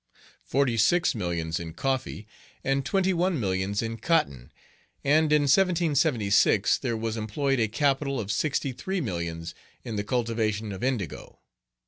forty six millions in coffee, and twenty one millions in cotton; and in 1776, there was employed a capital of sixty three millions in the cultivation of indigo.